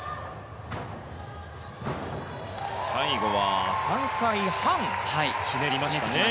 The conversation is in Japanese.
最後は３回半ひねりましたね。